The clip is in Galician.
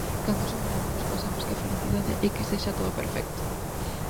Cando somos novos pensamos que a felicidade é que sexa todo perfecto.